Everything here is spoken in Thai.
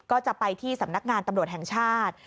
ก็จะไปที่สำนักงานตำรวจแห่งชาติ